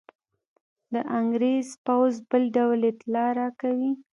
د انګرېز پوځ بل ډول اطلاع راکوي.